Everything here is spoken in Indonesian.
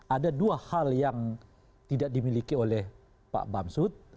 ada dua hal yang tidak dimiliki oleh bapak bang susatyo